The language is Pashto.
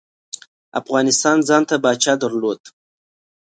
افغانستان ځانته پاچا درلود.